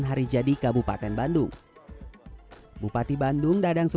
pemerintah kabupaten bandung mengadakan lomba cerdas cermat al quran